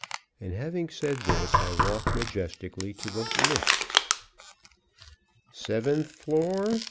And having said this, I walked majestically to the "lift." "Seventh floor?"